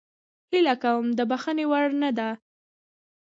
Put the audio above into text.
هیله کوم د بخښنې وړ نه ده